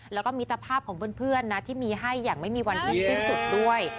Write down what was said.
แล้วก็มิตรภาพของเพื่อนนะที่มีให้อย่างไม่มีวันเสร็จสิ้นสุดด้วย